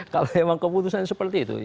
kalau memang keputusan seperti itu